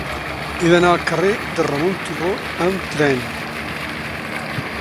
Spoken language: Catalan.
He d'anar al carrer de Ramon Turró amb tren.